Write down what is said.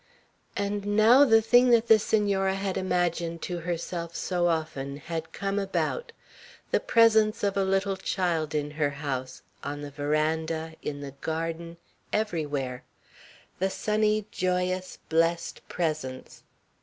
And now the thing that the Senora had imagined to herself so often had come about, the presence of a little child in her house, on the veranda, in the garden, everywhere; the sunny, joyous, blest presence.